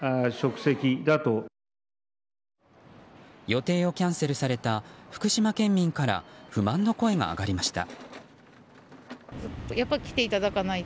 予定をキャンセルされた福島県民から不満の声が上がりました。